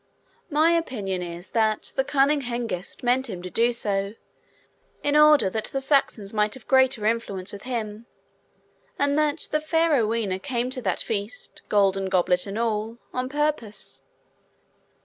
My opinion is, that the cunning Hengist meant him to do so, in order that the Saxons might have greater influence with him; and that the fair Rowena came to that feast, golden goblet and all, on purpose.